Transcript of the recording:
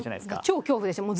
超恐怖でしたよ。